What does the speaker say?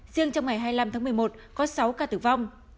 riêng trong ngày hai mươi năm tháng một mươi một có sáu ca tử vong